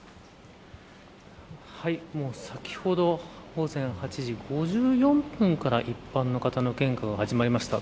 先ほど、午前８時５４分から一般の方の献花が始まりました。